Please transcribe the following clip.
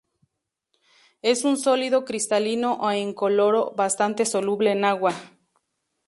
Es un sólido cristalino e incoloro, bastante soluble en agua.